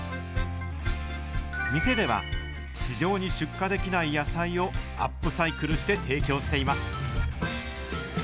店では、市場に出荷できない野菜をアップサイクルして提供しています。